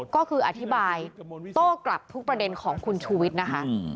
ก็คืออธิบายโต้กลับทุกประเด็นของคุณชูวิทย์นะคะ